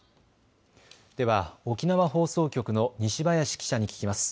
では沖縄放送局の西林記者に聞きます。